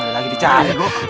lagi dicari kok